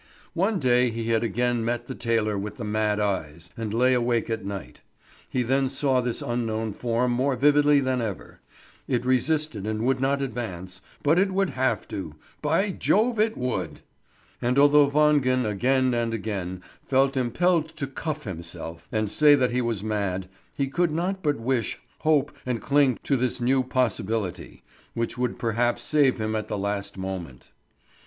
One day he had again met the tailor with the mad eyes, and lay awake at night. He then saw this unknown form more vividly than ever; it resisted and would not advance, but it would have to, by Jove it would! And although Wangen again and again felt impelled to cuff himself and say that he was mad, he could not but wish, hope and cling to this new possibility, which would perhaps save him at the last moment.